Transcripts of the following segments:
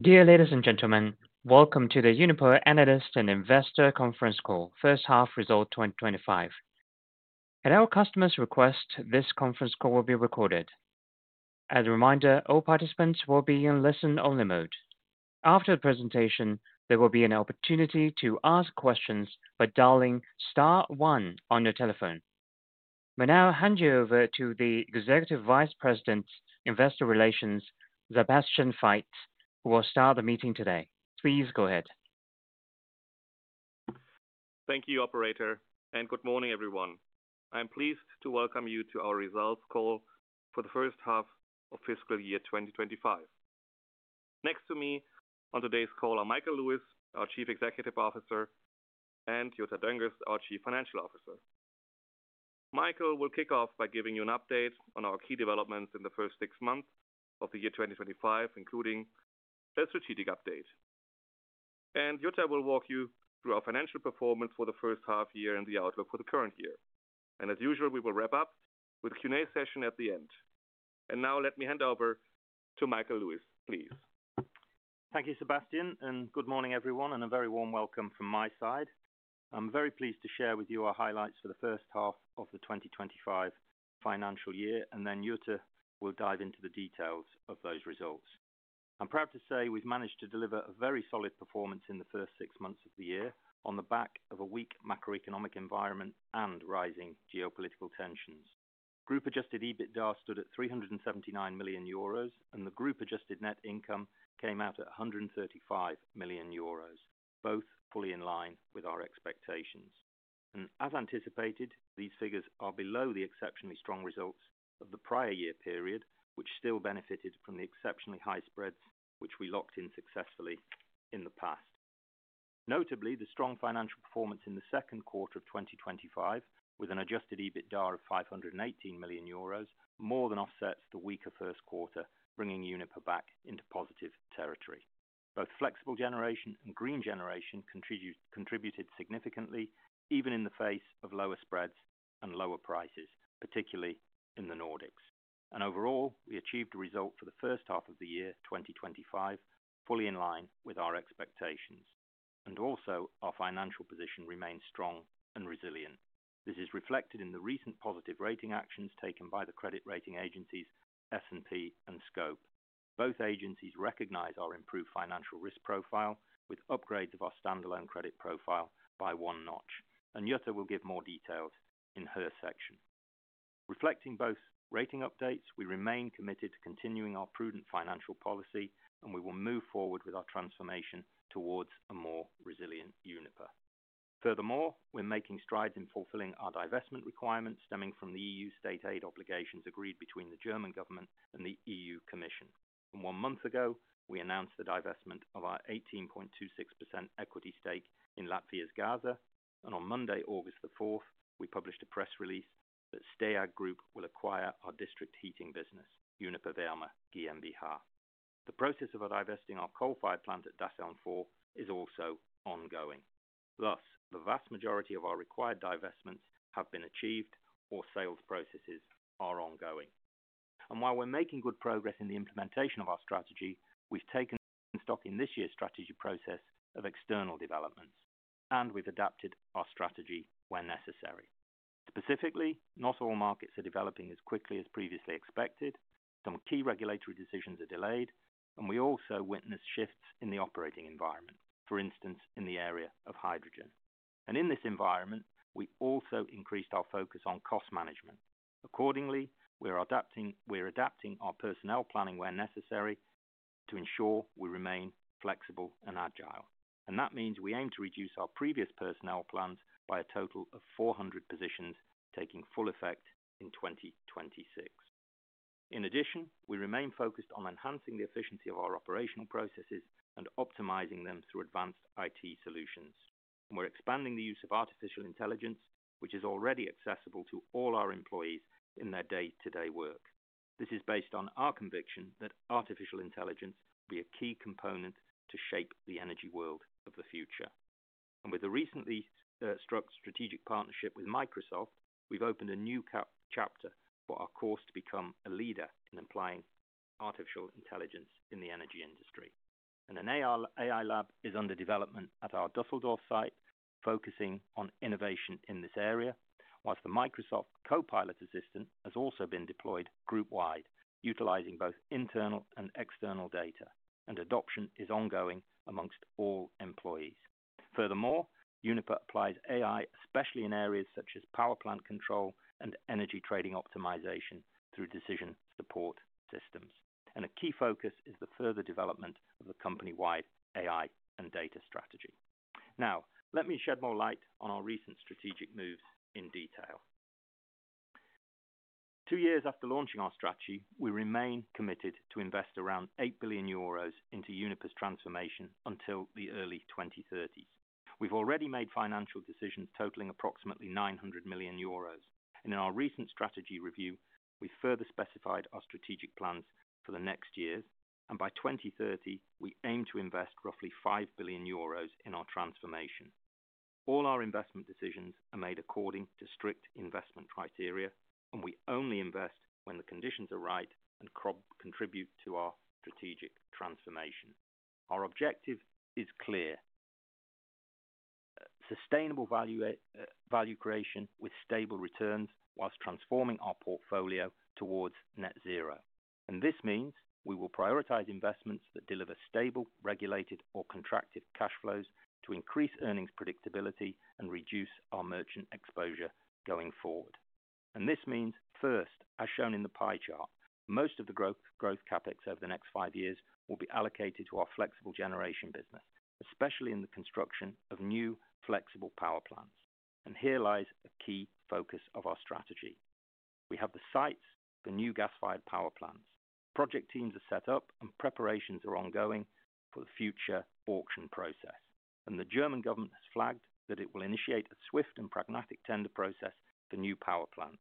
Dear ladies and gentlemen, welcome to the Uniper analyst and investor conference call, first half, result 2025. At our customer's request, this conference call will be recorded. As a reminder, all participants will be in listen-only mode. After the presentation, there will be an opportunity to ask questions by dialing star one on your telephone. We now hand you over to the Executive Vice President, Investor Relations, Sebastian Veit, who will start the meeting today. Please go ahead. Thank you, Operator, and good morning, everyone. I am pleased to welcome you to our results call for the first half of fiscal year 2025. Next to me on today's call are Michael Lewis, our Chief Executive Officer, and Jutta Dönges, our Chief Financial Officer. Michael will kick off by giving you an update on our key developments in the first six months of the year 2025, including a strategic update. Jutta will walk you through our financial performance for the first half year and the outlook for the current year. As usual, we will wrap up with a Q&A session at the end. Now, let me hand over to Michael Lewis, please. Thank you, Sebastian, and good morning, everyone, and a very warm welcome from my side. I'm very pleased to share with you our highlights for the first half of the 2025 financial year, and then Jutta will dive into the details of those results. I'm proud to say we've managed to deliver a very solid performance in the first six months of the year on the back of a weak macroeconomic environment and rising geopolitical tensions. Group-adjusted EBITDA stood at 379 million euros, and the group-adjusted net income came out at 135 million euros, both fully in line with our expectations. As anticipated, these figures are below the exceptionally strong results of the prior year period, which still benefited from the exceptionally high spreads which we locked in successfully in the past. Notably, the strong financial performance in the second quarter of 2025, with an adjusted EBITDA of 518 million euros, more than offsets the weaker first quarter, bringing Uniper back into positive territory. Both flexible generation and green generation contributed significantly, even in the face of lower spreads and lower prices, particularly in the Nordics. Overall, we achieved a result for the first half of the year 2025 fully in line with our expectations. Our financial position remains strong and resilient. This is reflected in the recent positive rating actions taken by the credit rating agencies, S&P and Scope. Both agencies recognize our improved financial risk profile with upgrades of our standalone credit profile by one notch. Jutta will give more details in her section. Reflecting both rating updates, we remain committed to continuing our prudent financial policy, and we will move forward with our transformation towards a more resilient Uniper. Furthermore, we're making strides in fulfilling our divestment requirements stemming from the EU state aid obligations agreed between the German government and the EU Commission. One month ago, we announced the divestment of our 18.26% equity stake in Latvijas Gāze, and on Monday, August 4, we published a press release that Steag Group will acquire our district heating business, Uniper Vēlmā GmbH. The process of divesting our coal-fired plant at Datteln 4 is also ongoing. Thus, the vast majority of our required divestments have been achieved, or sales processes are ongoing. While we're making good progress in the implementation of our strategy, we've taken stock in this year's strategy process of external developments, and we've adapted our strategy where necessary. Specifically, not all markets are developing as quickly as previously expected, some key regulatory decisions are delayed, and we also witnessed shifts in the operating environment, for instance, in the area of hydrogen. In this environment, we also increased our focus on cost management. Accordingly, we're adapting our personnel planning where necessary to ensure we remain flexible and agile. That means we aim to reduce our previous personnel plans by a total of 400 positions, taking full effect in 2026. In addition, we remain focused on enhancing the efficiency of our operational processes and optimizing them through advanced IT solutions. We're expanding the use of artificial intelligence, which is already accessible to all our employees in their day-to-day work. This is based on our conviction that artificial intelligence will be a key component to shape the energy world of the future. With a recently struck strategic partnership with Microsoft, we've opened a new chapter for our course to become a leader in applying artificial intelligence in the energy industry. An AI lab is under development at our Düsseldorf site, focusing on innovation in this area, whilst the Microsoft Copilot Assistant has also been deployed group-wide, utilizing both internal and external data, and adoption is ongoing amongst all employees. Furthermore, Uniper applies AI, especially in areas such as power plant control and energy trading optimization through decision support systems. A key focus is the further development of the company-wide AI and data strategy. Now, let me shed more light on our recent strategic moves in detail. Two years after launching our strategy, we remain committed to invest around 8 billion euros into Uniper's transformation until the early 2030s. We've already made financial decisions totaling approximately 900 million euros. In our recent strategy review, we further specified our strategic plans for the next years, and by 2030, we aim to invest roughly 5 billion euros in our transformation. All our investment decisions are made according to strict investment criteria, and we only invest when the conditions are right and contribute to our strategic transformation. Our objective is clear: sustainable value creation with stable returns, whilst transforming our portfolio towards net zero. This means we will prioritize investments that deliver stable, regulated, or contracted cash flows to increase earnings predictability and reduce our merchant exposure going forward. This means, first, as shown in the pie chart, most of the growth CapEx over the next five years will be allocated to our flexible generation business, especially in the construction of new flexible power plants. Here lies a key focus of our strategy. We have the sites for new gas-fired power plants. Project teams are set up, and preparations are ongoing for the future auction process. The German government has flagged that it will initiate a swift and pragmatic tender process for new power plants.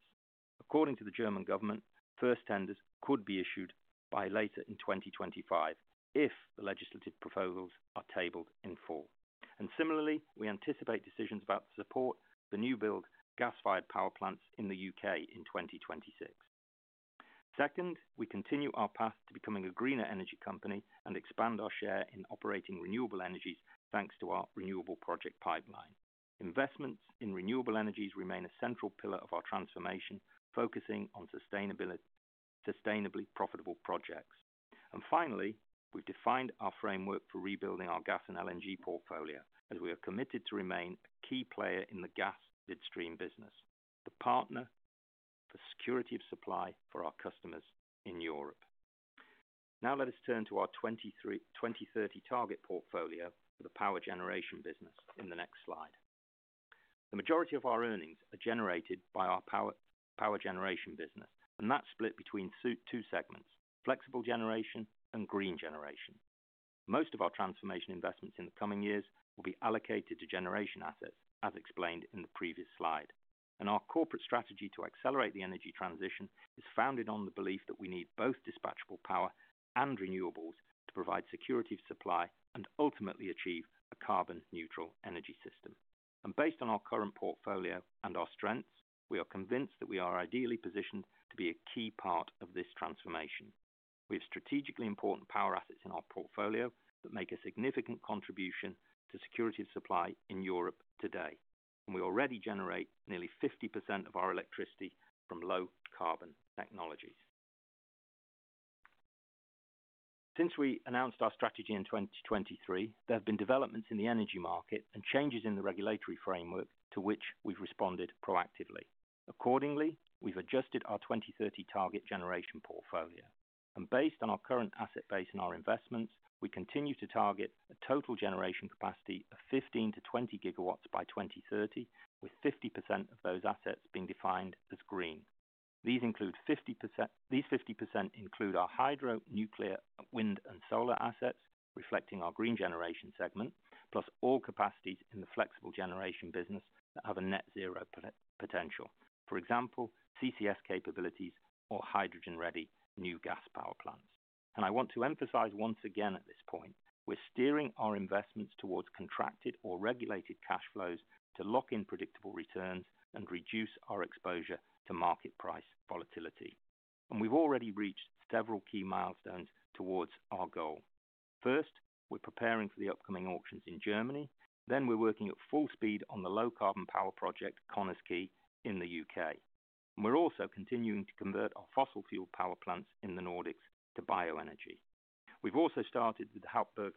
According to the German government, first tenders could be issued by later in 2025 if the legislative proposals are tabled in full. Similarly, we anticipate decisions about the support for new build gas-fired power plants in the U.K. in 2026. Second, we continue our path to becoming a greener energy company and expand our share in operating renewable energies, thanks to our renewable project pipeline. Investments in renewable energies remain a central pillar of our transformation, focusing on sustainably profitable projects. Finally, we've defined our framework for rebuilding our gas and LNG portfolio, as we are committed to remain a key player in the gas midstream business, the partner for security of supply for our customers in Europe. Now, let us turn to our 2030 target portfolio for the power generation business in the next slide. The majority of our earnings are generated by our power generation business, and that's split between two segments: flexible generation and green generation. Most of our transformation investments in the coming years will be allocated to generation assets, as explained in the previous slide. Our corporate strategy to accelerate the energy transition is founded on the belief that we need both dispatchable power and renewables to provide security of supply and ultimately achieve a carbon-neutral energy system. Based on our current portfolio and our strengths, we are convinced that we are ideally positioned to be a key part of this transformation. We have strategically important power assets in our portfolio that make a significant contribution to security of supply in Europe today. We already generate nearly 50% of our electricity from low-carbon technologies. Since we announced our strategy in 2023, there have been developments in the energy market and changes in the regulatory framework to which we've responded proactively. Accordingly, we've adjusted our 2030 target generation portfolio. Based on our current asset base and our investments, we continue to target a total generation capacity of 15 GW-20 GW by 2030, with 50% of those assets being defined as green. These 50% include our hydro, nuclear, wind, and solar assets, reflecting our green generation segment, plus all capacities in the flexible generation business that have a net zero potential. For example, CCS capabilities or hydrogen-ready new gas power plants. I want to emphasize once again at this point, we're steering our investments towards contracted or regulated cash flows to lock in predictable returns and reduce our exposure to market price volatility. We've already reached several key milestones towards our goal. First, we're preparing for the upcoming auctions in Germany. We're working at full speed on the low-carbon power project, Connah's Quay, in the U.K. We're also continuing to convert our fossil fuel power plants in the Nordics to bioenergy. We've also started with the Happurg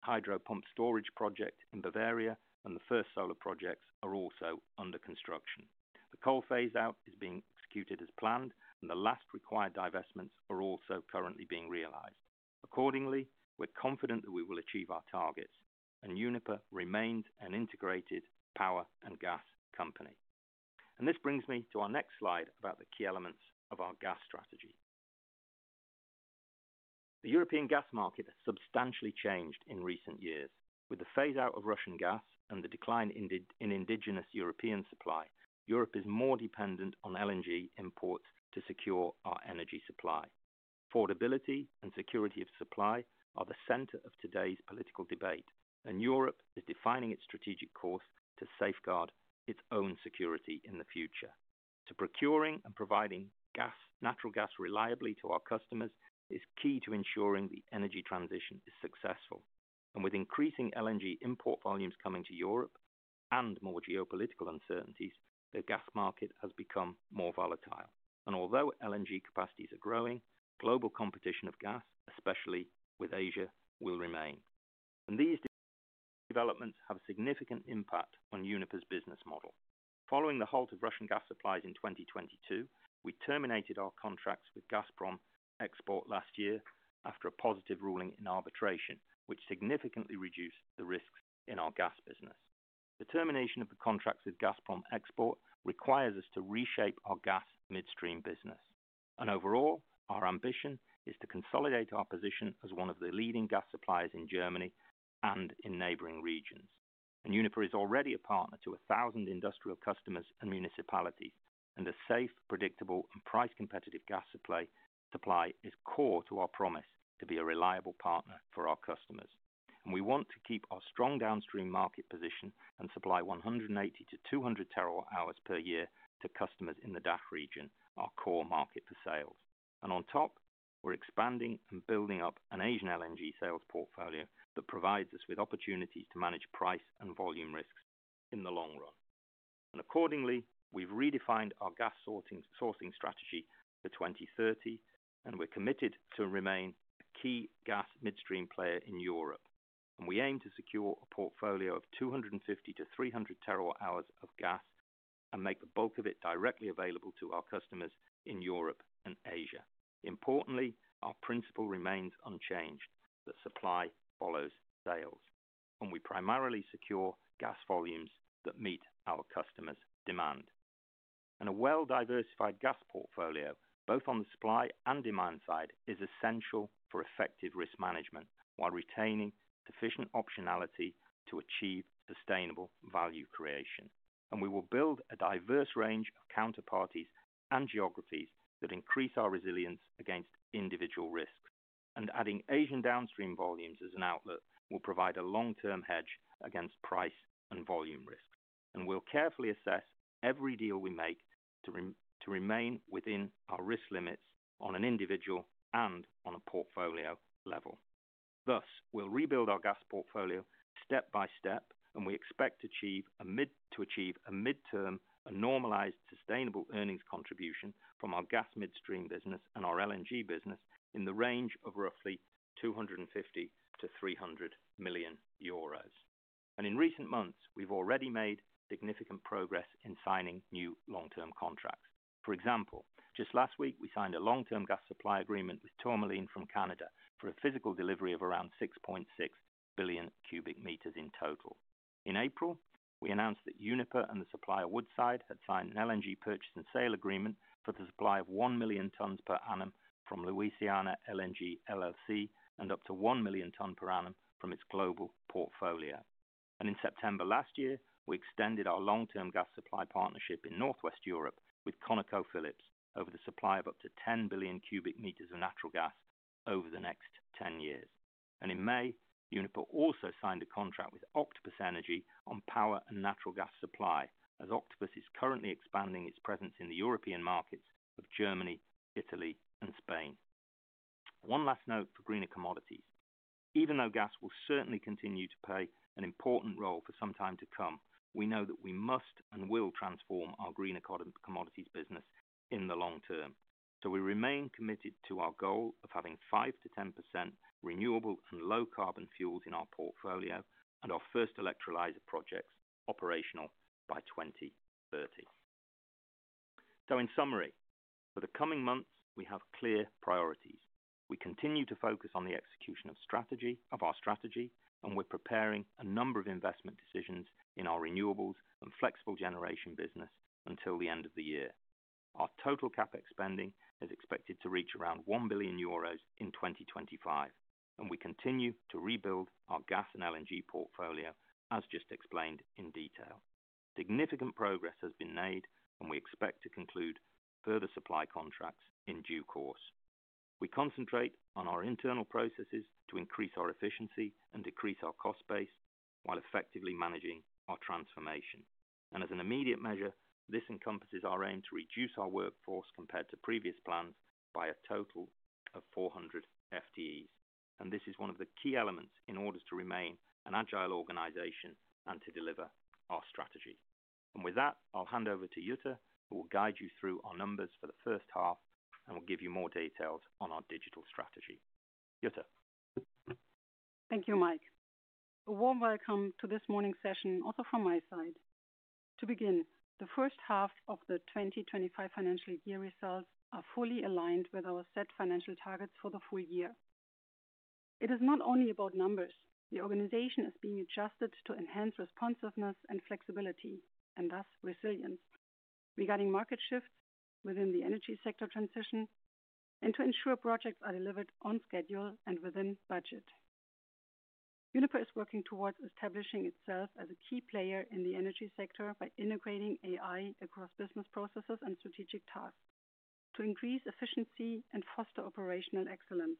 Hydro Pump Storage project in Bavaria, and the first solar projects are also under construction. The coal phase-out is being executed as planned, and the last required divestments are also currently being realized. Accordingly, we're confident that we will achieve our targets, and Uniper remains an integrated power and gas company. This brings me to our next slide about the key elements of our gas strategy. The European gas market has substantially changed in recent years. With the phase-out of Russian gas and the decline in indigenous European supply, Europe is more dependent on LNG imports to secure our energy supply. Affordability and security of supply are the center of today's political debate, and Europe is defining its strategic course to safeguard its own security in the future. Procuring and providing natural gas reliably to our customers is key to ensuring the energy transition is successful. With increasing LNG import volumes coming to Europe and more geopolitical uncertainties, the gas market has become more volatile. Although LNG capacities are growing, global competition of gas, especially with Asia, will remain. These developments have a significant impact on Uniper's business model. Following the halt of Russian gas supplies in 2022, we terminated our contracts with Gazprom Export last year after a positive ruling in arbitration, which significantly reduced the risks in our gas business. The termination of the contracts with Gazprom Export requires us to reshape our gas midstream business. Overall, our ambition is to consolidate our position as one of the leading gas suppliers in Germany and in neighboring regions. Uniper is already a partner to a thousand industrial customers and municipalities, and a safe, predictable, and price-competitive gas supply is core to our promise to be a reliable partner for our customers. We want to keep our strong downstream market position and supply 180 TWh-200 TWh per year to customers in the DACH region, our core market for sales. On top, we're expanding and building up an Asian LNG sales portfolio that provides us with opportunities to manage price and volume risks in the long run. Accordingly, we've redefined our gas sourcing strategy for 2030, and we're committed to remain a key gas midstream player in Europe. We aim to secure a portfolio of 250 TWh-300 TWh of gas and make the bulk of it directly available to our customers in Europe and Asia. Importantly, our principle remains unchanged: the supply follows sales. We primarily secure gas volumes that meet our customers' demand. A well-diversified gas portfolio, both on the supply and demand side, is essential for effective risk management while retaining sufficient optionality to achieve sustainable value creation. We will build a diverse range of counterparties and geographies that increase our resilience against individual risks. Adding Asian downstream volumes as an outlook will provide a long-term hedge against price and volume risks. We'll carefully assess every deal we make to remain within our risk limits on an individual and on a portfolio level. We'll rebuild our gas portfolio step by step, and we expect to achieve a mid-term and normalized sustainable earnings contribution from our gas midstream business and our LNG business in the range of roughly 250 million-300 million euros. In recent months, we've already made significant progress in signing new long-term contracts. For example, just last week, we signed a long-term gas supply agreement with Tourmaline from Canada for a physical delivery of around 6.6 billion cubic meters in total. In April, we announced that Uniper and the supplier Woodside had signed an LNG purchase and sale agreement for the supply of 1 million tons per annum from Louisiana LNG LLC and up to 1 million tons per annum from its global portfolio. In September last year, we extended our long-term gas supply partnership in Northwest Europe with ConocoPhillips over the supply of up to 10 billion cubic meters of natural gas over the next 10 years. In May, Uniper also signed a contract with Octopus Energy on power and natural gas supply, as Octopus is currently expanding its presence in the European markets of Germany, Italy, and Spain. One last note for greener commodities. Even though gas will certainly continue to play an important role for some time to come, we know that we must and will transform our green commodities business in the long term. We remain committed to our goal of having 5%-10% renewable and low-carbon fuels in our portfolio and our first electrolyzer projects operational by 2030. In summary, for the coming months, we have clear priorities. We continue to focus on the execution of our strategy, and we're preparing a number of investment decisions in our renewables and flexible generation business until the end of the year. Our total CapEx spending is expected to reach around 1 billion euros in 2025. We continue to rebuild our gas and LNG portfolio, as just explained in detail. Significant progress has been made, and we expect to conclude further supply contracts in due course. We concentrate on our internal processes to increase our efficiency and decrease our cost base while effectively managing our transformation. As an immediate measure, this encompasses our aim to reduce our workforce compared to previous plans by a total of 400 FTEs. This is one of the key elements in order to remain an agile organization and to deliver our strategy. With that, I'll hand over to Jutta, who will guide you through our numbers for the first half and will give you more details on our digital strategy. Jutta. Thank you, Mike. A warm welcome to this morning's session, also from my side. To begin, the first half of the 2025 financial year results are fully aligned with our set financial targets for the full year. It is not only about numbers; the organization is being adjusted to enhance responsiveness and flexibility, and thus resilience, regarding market shifts within the energy sector transition and to ensure projects are delivered on schedule and within budget. Uniper is working towards establishing itself as a key player in the energy sector by integrating AI across business processes and strategic tasks to increase efficiency and foster operational excellence.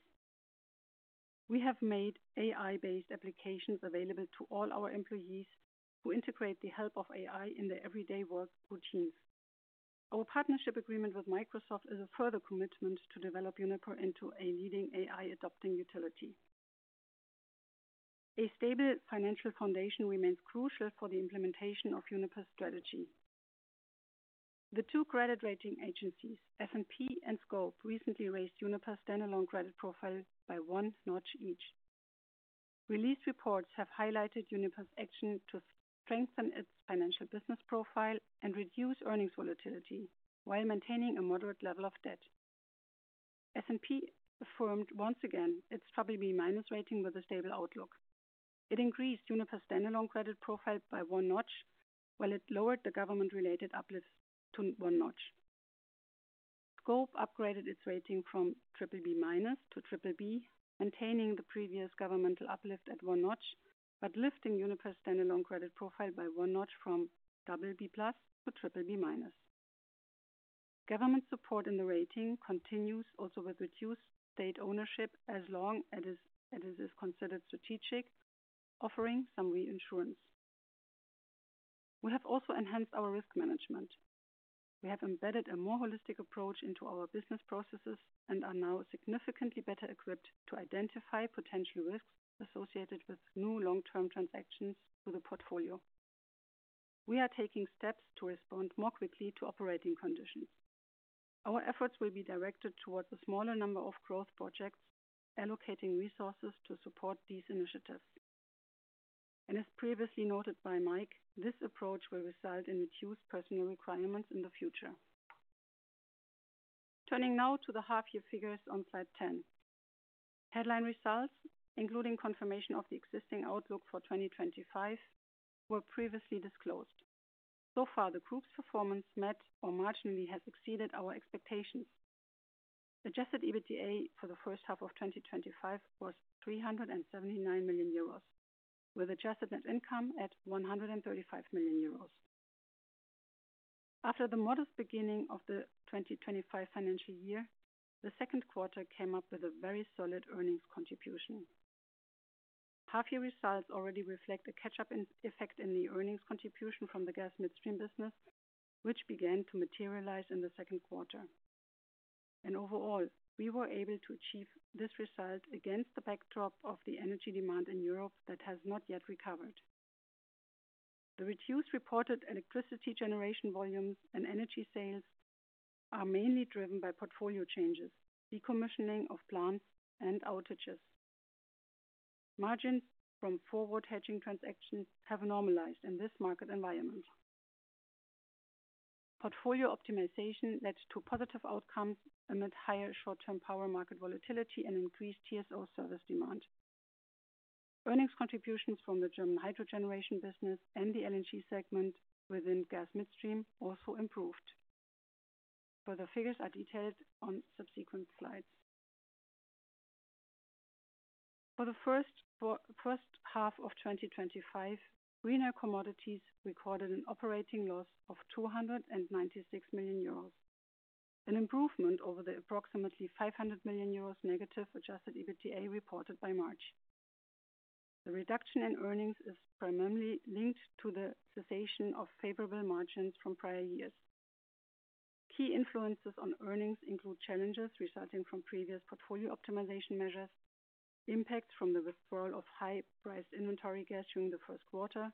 We have made AI-based applications available to all our employees who integrate the help of AI in their everyday work routines. Our partnership agreement with Microsoft is a further commitment to develop Uniper into a leading AI-adopting utility. A stable financial foundation remains crucial for the implementation of Uniper's strategy. The two credit rating agencies, S&P and Scope, recently raised Uniper's standalone credit profile by one notch each. Released reports have highlighted Uniper's action to strengthen its financial business profile and reduce earnings volatility while maintaining a moderate level of debt. S&P affirmed once again its BBB rating with a stable outlook. It increased Uniper's standalone credit profile by one notch, while it lowered the government-related uplifts to one notch. Scope upgraded its rating from BBB- to BBB, maintaining the previous governmental uplift at one notch, but lifting Uniper's standalone credit profile by one notch from BBB+ to BBB-. Government support in the rating continues also with reduced state ownership as long as it is considered strategic, offering some reinsurance. We have also enhanced our risk management. We have embedded a more holistic approach into our business processes and are now significantly better equipped to identify potential risks associated with new long-term transactions to the portfolio. We are taking steps to respond more quickly to operating conditions. Our efforts will be directed toward a smaller number of growth projects, allocating resources to support these initiatives. As previously noted by Mike, this approach will result in reduced personnel requirements in the future. Turning now to the half-year figures on slide 10. Headline results, including confirmation of the existing outlook for 2025, were previously disclosed. So far, the group's performance met or marginally has exceeded our expectations. Adjusted EBITDA for the first half of 2025 was 379 million euros, with adjusted net income at 135 million euros. After the modest beginning of the 2025 financial year, the second quarter came up with a very solid earnings contribution. Half-year results already reflect a catch-up effect in the earnings contribution from the gas midstream business, which began to materialize in the second quarter. Overall, we were able to achieve this result against the backdrop of the energy demand in Europe that has not yet recovered. The reduced reported electricity generation volumes and energy sales are mainly driven by portfolio changes, decommissioning of plants, and outages. Margins from forward hedging transactions have normalized in this market environment. Portfolio optimization led to positive outcomes amid higher short-term power market volatility and increased TSO service demand. Earnings contributions from the German hydrogeneration business and the LNG segment within gas midstream also improved. Further figures are detailed on subsequent slides. For the first half of 2025, greener commodities recorded an operating loss of 296 million euros, an improvement over the approximately 500 million euros negative adjusted EBITDA reported by March. The reduction in earnings is primarily linked to the cessation of favorable margins from prior years. Key influences on earnings include challenges resulting from previous portfolio optimization measures, impacts from the withdrawal of high-priced inventory gas during the first quarter,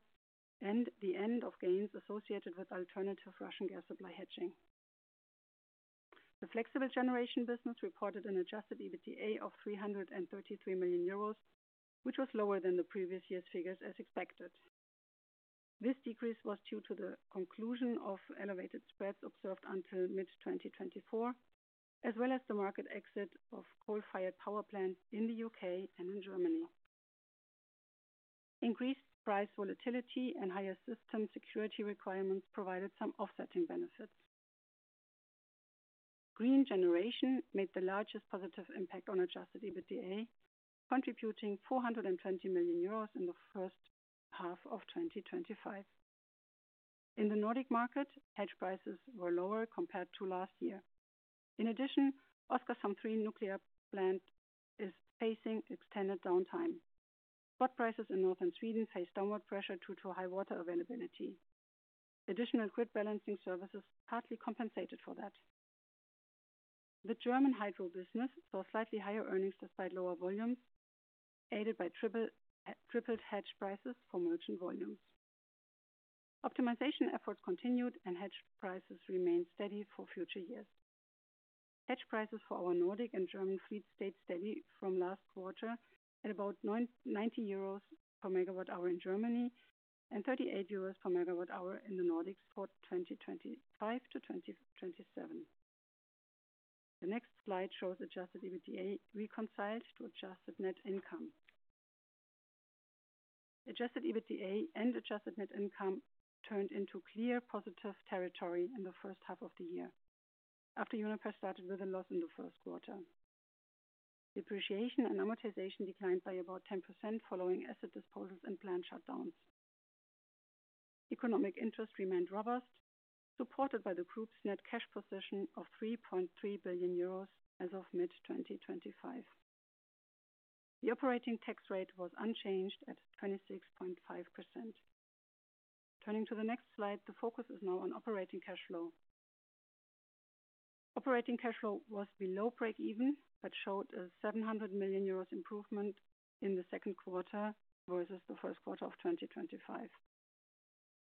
and the end of gains associated with alternative Russian gas supply hedging. The flexible generation business reported an adjusted EBITDA of 333 million euros, which was lower than the previous year's figures as expected. This decrease was due to the conclusion of elevated spreads observed until mid-2024, as well as the market exit of coal-fired power plants in the U.K. and in Germany. Increased price volatility and higher system security requirements provided some offsetting benefits. Green generation made the largest positive impact on adjusted EBITDA, contributing 420 million euros in the first half of 2025. In the Nordic market, hedge prices were lower compared to last year. In addition, Oskarshamn III nuclear plant is facing extended downtime. Stock prices in northern Sweden face downward pressure due to high water availability. Additional grid balancing services partly compensated for that. The German hydro business saw slightly higher earnings despite lower volumes, aided by tripled hedge prices for merchant volumes. Optimization efforts continued, and hedge prices remained steady for future years. Hedge prices for our Nordic and German fleet stayed steady from last quarter at about 90 euros per MWh in Germany and 38 euros per MWh in the Nordics for 2025-2027. The next slide shows adjusted EBITDA reconciled to adjusted net income. Adjusted EBITDA and adjusted net income turned into clear positive territory in the first half of the year, after Uniper started with a loss in the first quarter. Depreciation and amortization declined by about 10% following asset disposals and plant shutdowns. Economic interest remained robust, supported by the group's net cash position of 3.3 billion euros as of mid-2025. The operating tax rate was unchanged at 26.5%. Turning to the next slide, the focus is now on operating cash flow. Operating cash flow was below breakeven but showed a 700 million euros improvement in the second quarter versus the first quarter of 2025.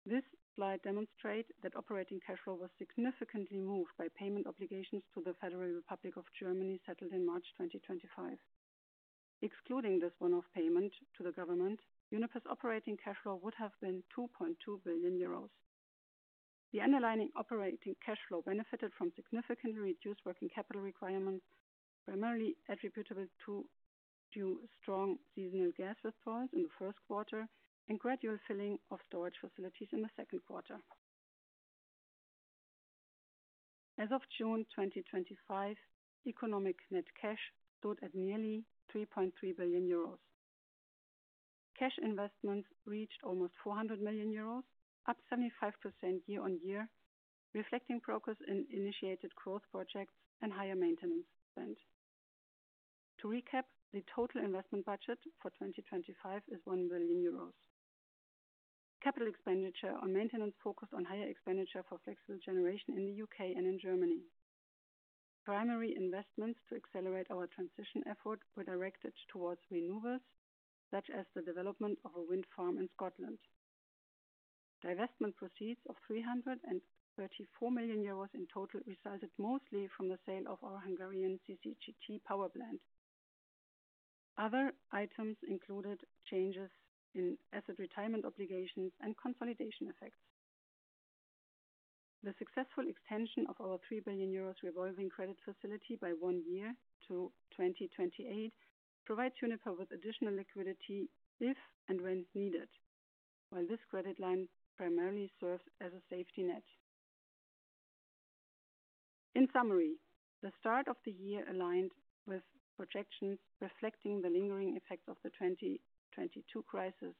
This slide demonstrates that operating cash flow was significantly moved by payment obligations to the Federal Republic of Germany settled in March 2025. Excluding this one-off payment to the government, Uniper's operating cash flow would have been 2.2 billion euros. The underlying operating cash flow benefited from significantly reduced working capital requirements, primarily attributable to strong seasonal gas withdrawals in the first quarter and gradual filling of storage facilities in the second quarter. As of June 2025, economic net cash stood at nearly 3.3 billion euros. Cash investments reached almost 400 million euros, up 75% year-on-year, reflecting progress in initiated growth projects and higher maintenance spend. To recap, the total investment budget for 2025 is 1 billion euros. Capital expenditure on maintenance focused on higher expenditure for flexible generation in the U.K. and in Germany. Primary investments to accelerate our transition effort were directed towards renewables, such as the development of a wind farm in Scotland. Divestment proceeds of 334 million euros in total resulted mostly from the sale of our Hungarian CCGT power plant. Other items included changes in asset retirement obligations and consolidation effects. The successful extension of our 3 billion euros revolving credit facility by one year to 2028 provides Uniper with additional liquidity if and when needed, while this credit line primarily serves as a safety net. In summary, the start of the year aligned with projections reflecting the lingering effects of the 2022 crisis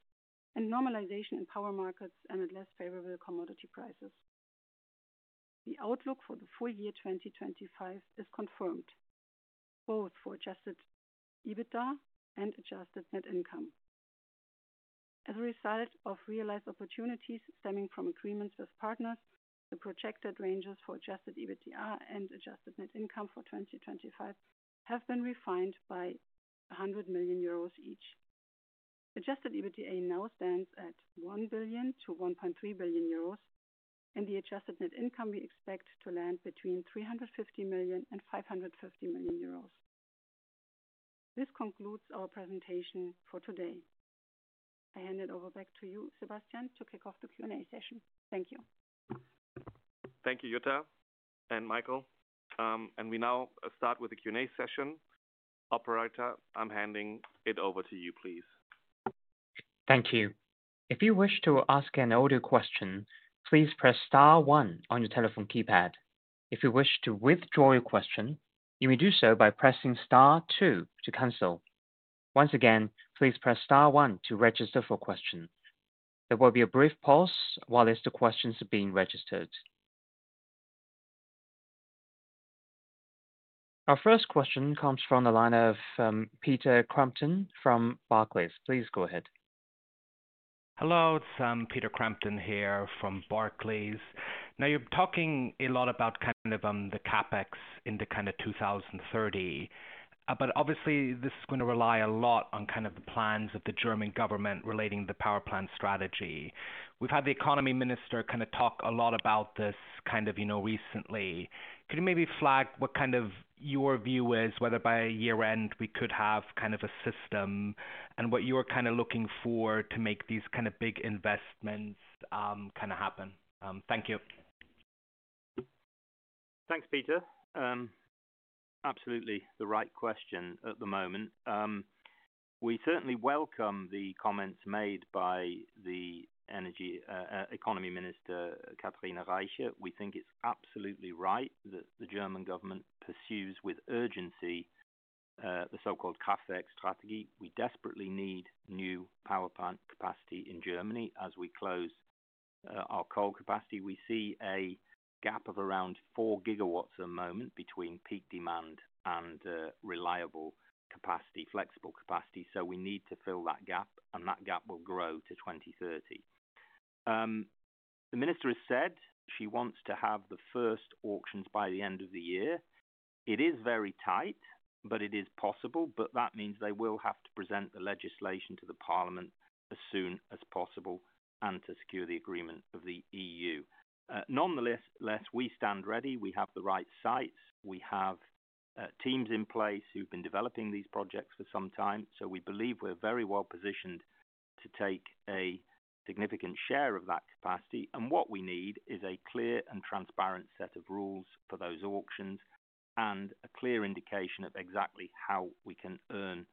and normalization in power markets amid less favorable commodity prices. The outlook for the full year 2025 is confirmed, both for adjusted EBITDA and adjusted net income. As a result of realized opportunities stemming from agreements with partners, the projected ranges for adjusted EBITDA and adjusted net income for 2025 have been refined by 100 million euros each. Adjusted EBITDA now stands at 1 billion-1.3 billion euros, and the adjusted net income we expect to land between 350 million and 550 million euros. This concludes our presentation for today. I hand it over back to you, Sebastian, to kick off the Q&A session. Thank you. Thank you, Jutta and Michael. We now start with the Q&A session. Operator, I'm handing it over to you, please. Thank you. If you wish to ask an audio question, please press star one on your telephone keypad. If you wish to withdraw your question, you may do so by pressing star two to cancel. Once again, please press star one to register for questions. There will be a brief pause while the questions are being registered. Our first question comes from the line of Peter Crampton from Barclays. Please go ahead. Hello, Peter Crampton here from Barclays. Now you're talking a lot about the CapEx in the 2030, but obviously this is going to rely a lot on the plans of the German government relating to the power plant strategy. We've had the Economy Minister talk a lot about this recently. Could you maybe flag what your view is, whether by year-end we could have a system and what you're looking for to make these big investments happen? Thank you. Thanks, Peter. Absolutely the right question at the moment. We certainly welcome the comments made by the Energy Economy Minister, Katherina Reiche. We think it's absolutely right that the German government pursues with urgency the so-called CapEx strategy. We desperately need new power plant capacity in Germany as we close our coal capacity. We see a gap of around 4 GW at the moment between peak demand and reliable capacity, flexible capacity. We need to fill that gap, and that gap will grow to 2030. The minister has said she wants to have the first auctions by the end of the year. It is very tight, but it is possible. That means they will have to present the legislation to the Parliament as soon as possible and to secure the agreement of the EU. Nonetheless, we stand ready. We have the right sites. We have teams in place who've been developing these projects for some time. We believe we're very well positioned to take a significant share of that capacity. What we need is a clear and transparent set of rules for those auctions and a clear indication of exactly how we can earn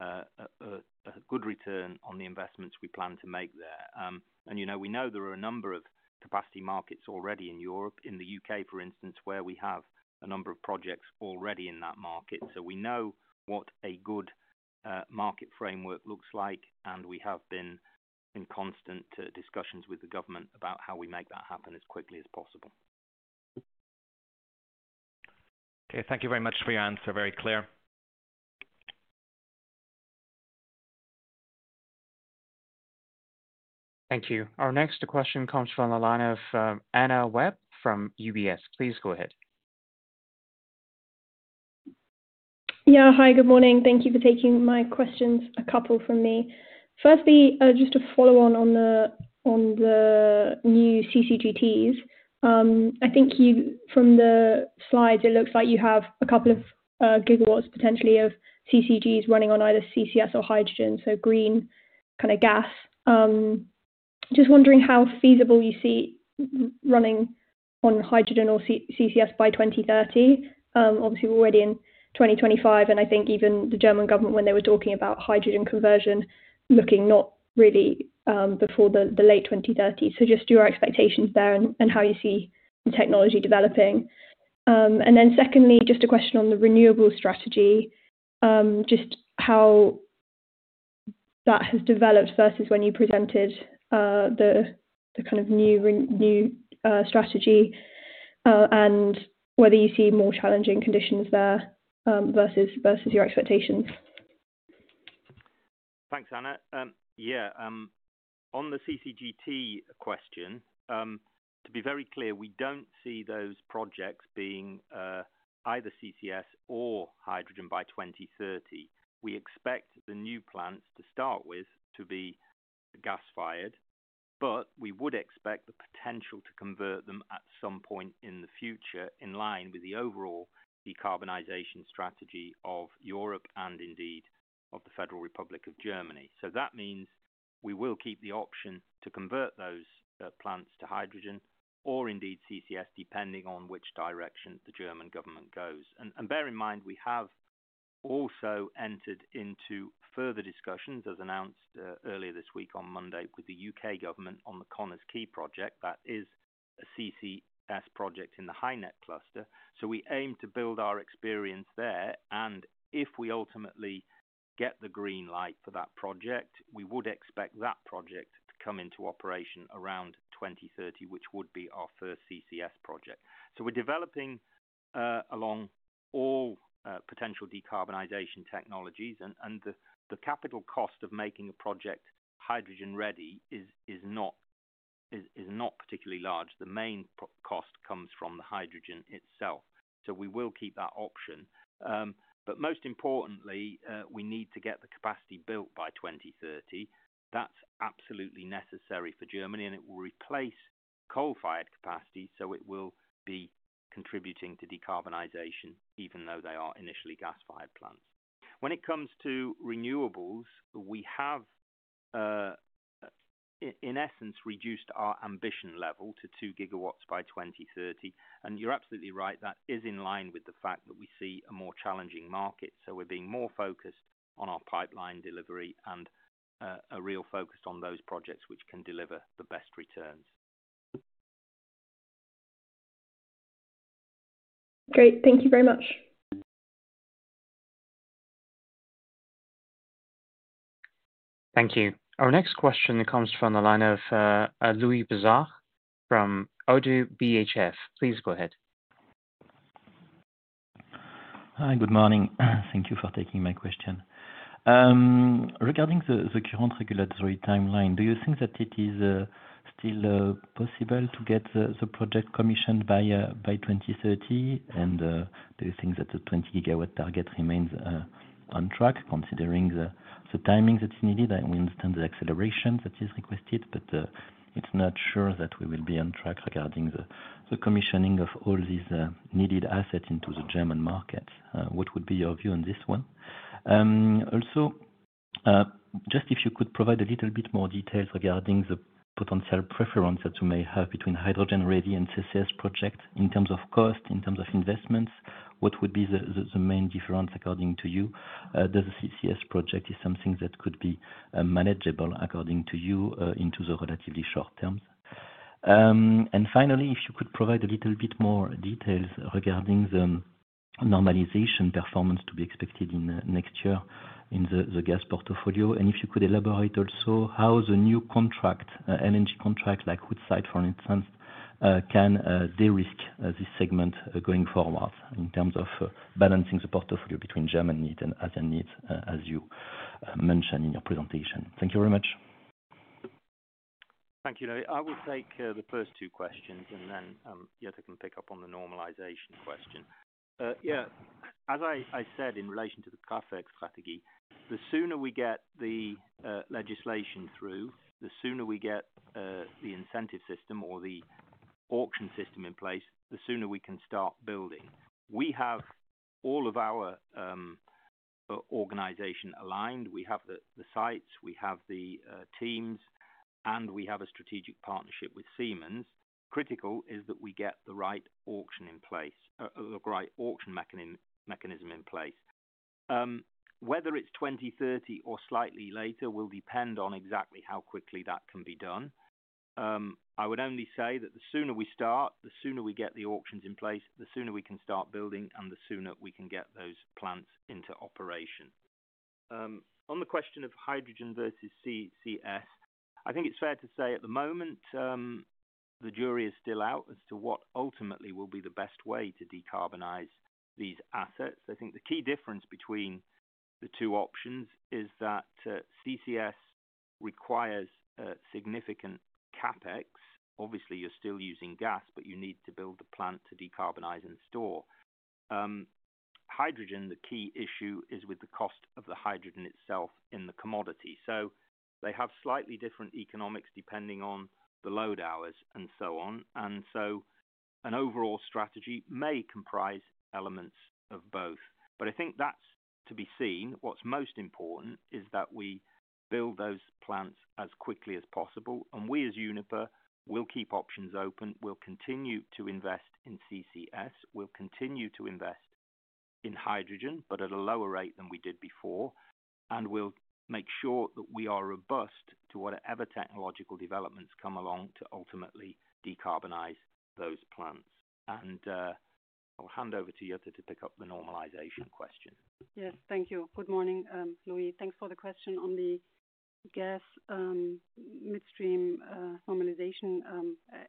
a good return on the investments we plan to make there. You know, we know there are a number of capacity markets already in Europe, in the U.K., for instance, where we have a number of projects already in that market. We know what a good market framework looks like. We have been in constant discussions with the government about how we make that happen as quickly as possible. Okay, thank you very much for your answer. Very clear. Thank you. Our next question comes from the line of Anna Webb from UBS. Please go ahead. Yeah, hi, good morning. Thank you for taking my questions, a couple from me. Firstly, just to follow on the new CCGTs. I think you, from the slides, it looks like you have a couple of gigawatts potentially of CCGTs running on either CCS or hydrogen, so green kind of gas. Just wondering how feasible you see running on hydrogen or CCS by 2030. Obviously, we're already in 2025, and I think even the German government, when they were talking about hydrogen conversion, looking not really before the late 2030s. Just your expectations there and how you see the technology developing. Secondly, just a question on the renewable strategy, just how that has developed versus when you presented the kind of new strategy and whether you see more challenging conditions there versus your expectations. Thanks, Anna. Yeah, on the CCGT question, to be very clear, we don't see those projects being either CCS or hydrogen by 2030. We expect the new plants to start with to be gas-fired, but we would expect the potential to convert them at some point in the future in line with the overall decarbonization strategy of Europe and indeed of the Federal Republic of Germany. That means we will keep the option to convert those plants to hydrogen or indeed CCS, depending on which direction the German government goes. Bear in mind, we have also entered into further discussions, as announced earlier this week on Monday, with the U.K. government on the Connah's Quay project. That is a CCS project in the HyNet cluster. We aim to build our experience there. If we ultimately get the green light for that project, we would expect that project to come into operation around 2030, which would be our first CCS project. We're developing along all potential decarbonization technologies, and the capital cost of making a project hydrogen-ready is not particularly large. The main cost comes from the hydrogen itself. We will keep that option. Most importantly, we need to get the capacity built by 2030. That's absolutely necessary for Germany, and it will replace coal-fired capacity. It will be contributing to decarbonization, even though they are initially gas-fired plants. When it comes to renewables, we have, in essence, reduced our ambition level to 2 GW by 2030. You're absolutely right. That is in line with the fact that we see a more challenging market. We're being more focused on our pipeline delivery and a real focus on those projects which can deliver the best returns. Great, thank you very much. Thank you. Our next question comes from the line of Louis Boujard from ODDO BHF. Please go ahead. Hi, good morning. Thank you for taking my question. Regarding the current regulatory timeline, do you think that it is still possible to get the project commissioned by 2030? Do you think that the 20 GW target remains on track, considering the timing that is needed? We understand the acceleration that is requested, but it's not sure that we will be on track regarding the commissioning of all these needed assets into the German market. What would be your view on this one? Also, if you could provide a little bit more detail regarding the potential preference that you may have between hydrogen-ready and CCS projects in terms of cost, in terms of investments, what would be the main difference according to you? Is the CCS project something that could be manageable according to you in the relatively short term? Finally, if you could provide a little bit more detail regarding the normalization performance to be expected next year in the gas portfolio, and if you could elaborate also how the new contract, LNG contract like Woodside, for instance, can de-risk this segment going forward in terms of balancing the portfolio between German needs and other needs, as you mentioned in your presentation. Thank you very much. Thank you, Louis. I will take the first two questions, and then Jutta can pick up on the normalization question. As I said in relation to the CapEx strategy, the sooner we get the legislation through, the sooner we get the incentive system or the auction system in place, the sooner we can start building. We have all of our organization aligned. We have the sites, we have the teams, and we have a strategic partnership with Siemens. Critical is that we get the right auction in place, the right auction mechanism in place. Whether it's 2030 or slightly later will depend on exactly how quickly that can be done. I would only say that the sooner we start, the sooner we get the auctions in place, the sooner we can start building, and the sooner we can get those plants into operation. On the question of hydrogen versus CCS, I think it's fair to say at the moment, the jury is still out as to what ultimately will be the best way to decarbonize these assets. I think the key difference between the two options is that CCS requires significant CapEx. Obviously, you're still using gas, but you need to build the plant to decarbonize and store. Hydrogen, the key issue is with the cost of the hydrogen itself in the commodity. They have slightly different economics depending on the load hours and so on. An overall strategy may comprise elements of both. I think that's to be seen. What's most important is that we build those plants as quickly as possible. We as Uniper will keep options open. We'll continue to invest in CCS. We'll continue to invest in hydrogen, but at a lower rate than we did before. We'll make sure that we are robust to whatever technological developments come along to ultimately decarbonize those plants. I'll hand over to Jutta to pick up the normalization question. Yes, thank you. Good morning, Louis. Thanks for the question on the gas midstream normalization.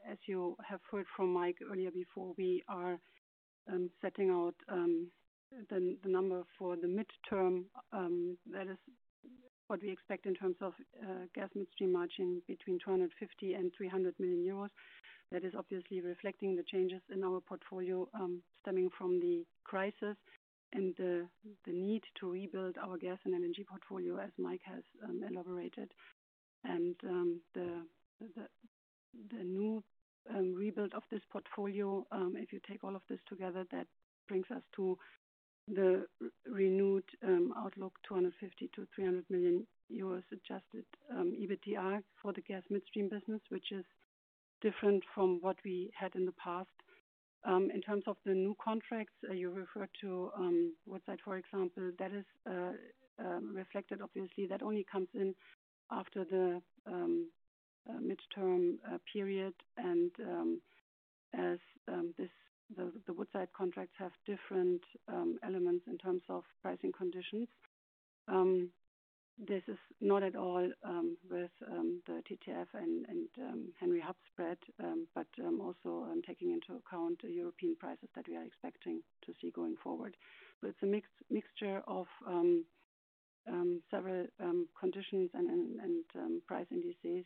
As you have heard from Mike earlier before, we are setting out the number for the midterm. That is what we expect in terms of gas midstream margin between 250 million and 300 million euros. That is obviously reflecting the changes in our portfolio stemming from the crisis and the need to rebuild our gas and LNG portfolio, as Mike has elaborated. The new rebuild of this portfolio, if you take all of this together, brings us to the renewed outlook, 250 million-300 million euros adjusted EBITDA for the gas midstream business, which is different from what we had in the past. In terms of the new contracts you referred to, Woodside, for example, that is reflected obviously. That only comes in after the midterm period. As the Woodside contracts have different elements in terms of pricing conditions, this is not at all with the TTF and Henry Hub spread, but also taking into account the European prices that we are expecting to see going forward. It's a mixture of several conditions and price indices,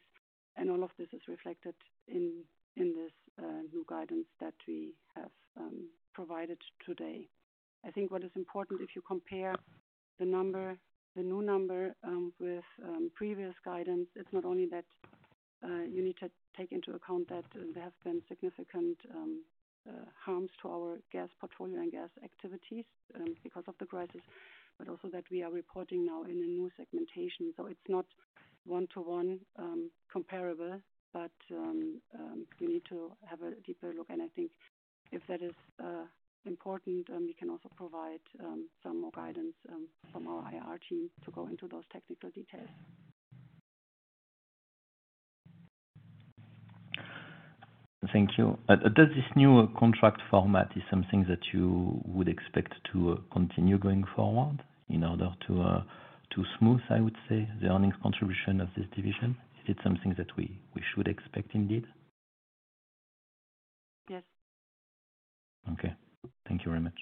and all of this is reflected in this new guidance that we have provided today. I think what is important, if you compare the number, the new number with previous guidance, it's not only that you need to take into account that there have been significant harms to our gas portfolio and gas activities because of the crisis, but also that we are reporting now in a new segmentation. It's not one-to-one comparable, but you need to have a deeper look. I think if that is important, we can also provide some more guidance from our IR team to go into those technical details. Thank you. Is this new contract format something that you would expect to continue going forward in order to smooth, I would say, the earnings contribution of this division? Is it something that we should expect indeed? Yes. Okay, thank you very much.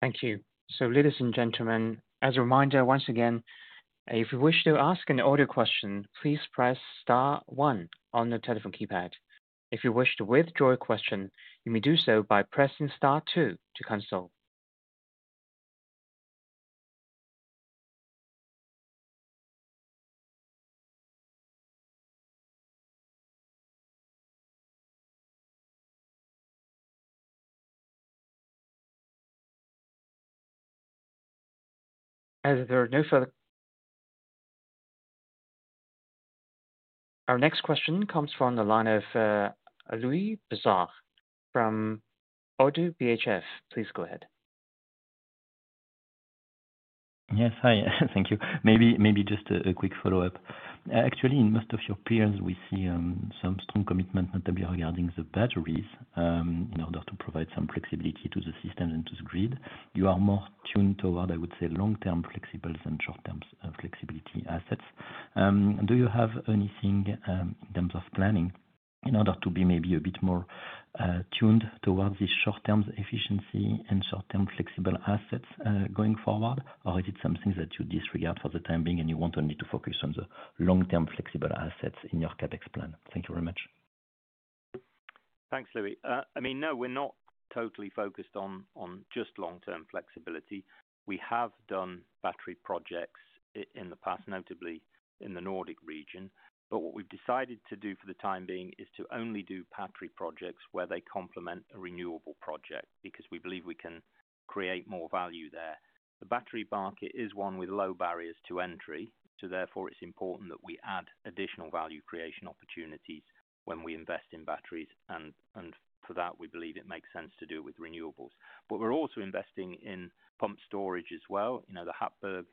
Thank you. Ladies and gentlemen, as a reminder once again, if you wish to ask an audio question, please press star one on the telephone keypad. If you wish to withdraw a question, you may do so by pressing star two to cancel. As there are no further questions, our next question comes from the line of Louis Boujard from ODDO BHF. Please go ahead. Yes, hi. Thank you. Maybe just a quick follow-up. Actually, in most of your appearance, we see some strong commitment not only regarding the batteries in order to provide some flexibility to the system and to the grid. You are more tuned toward, I would say, long-term flexible and short-term flexibility assets. Do you have anything in terms of planning in order to be maybe a bit more tuned towards these short-term efficiency and short-term flexible assets going forward? Is it something that you disregard for the time being and you want only to focus on the long-term flexible assets in your CapEx plan? Thank you very much. Thanks, Louis. I mean, no, we're not totally focused on just long-term flexibility. We have done battery projects in the past, notably in the Nordic region. What we've decided to do for the time being is to only do battery projects where they complement a renewable project because we believe we can create more value there. The battery market is one with low barriers to entry. Therefore, it's important that we add additional value creation opportunities when we invest in batteries. For that, we believe it makes sense to do it with renewables. We're also investing in pumped storage as well. The Happurg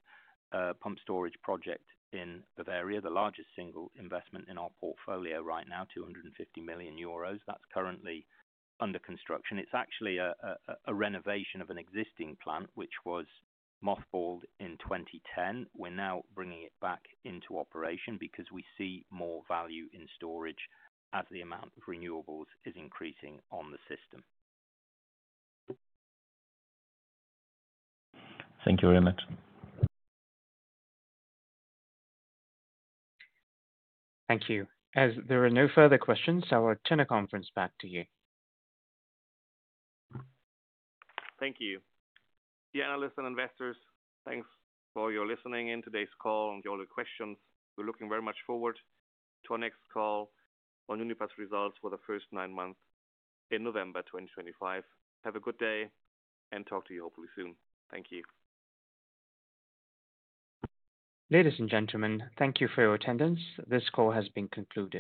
pumped storage project in Bavaria, the largest single investment in our portfolio right now, 250 million euros, is currently under construction. It's actually a renovation of an existing plant which was mothballed in 2010. We're now bringing it back into operation because we see more value in storage as the amount of renewables is increasing on the system. Thank you very much. Thank you. As there are no further questions, I will turn the conference back to you. Thank you. Yeah, analysts and investors, thanks for your listening in today's call and your questions. We're looking very much forward to our next call on Uniper's results for the first nine months in November 2025. Have a good day and talk to you hopefully soon. Thank you. Ladies and gentlemen, thank you for your attendance. This call has been concluded.